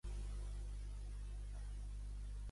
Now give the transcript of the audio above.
A Bagà són cap de matxos perquè deixen cremar els sants.